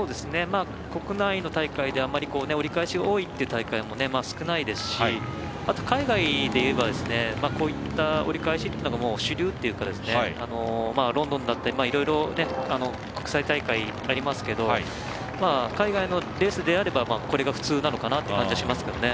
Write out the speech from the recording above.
国内の大会であまり折り返しが多いという大会は少ないですしあとは海外でいえばこういった折り返しというのが主流っていうかロンドンだったり、いろいろ国際大会ありますけど海外のレースであればこれが普通なのかなという感じはしますね。